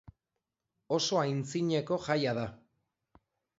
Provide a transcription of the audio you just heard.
Oso aintzineko jaia da.